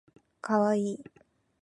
かわいい